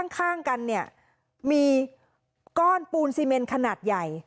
ข้างกันเนี่ยมีก้อนปูนซีเมนขนาดใหญ่